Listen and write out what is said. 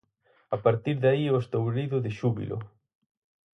A partir de ahí o estourido de xúbilo.